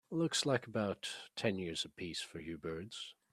Looks like about ten years a piece for you birds.